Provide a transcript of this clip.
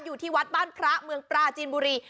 อยู่ที่วัดบ้านพระเมืองปราจีนบุรี